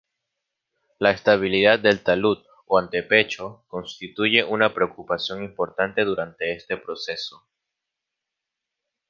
La estabilidad del talud o antepecho constituye una preocupación importante durante este proceso.